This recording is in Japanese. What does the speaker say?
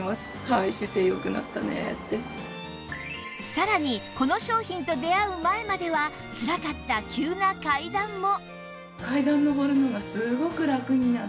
さらにこの商品と出会う前まではつらかった急な階段も